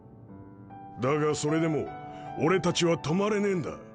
だがそれでも俺たちは止まれねえんだ。